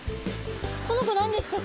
この子何ですか？